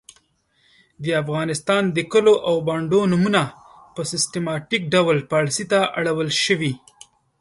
د افغانستان د کلو او بانډو نومونه په سیستماتیک ډول پاړسي ته اړول سوي .